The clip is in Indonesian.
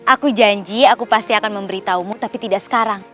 aku janji aku pasti akan memberitahumu tapi tidak sekarang